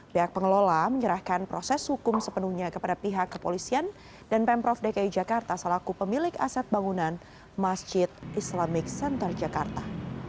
pihak pengelola menyerahkan proses hukum sepenuhnya kepada pihak kepolisian dan pemprov dki jakarta selaku pemilik aset bangunan masjid islamic center jakarta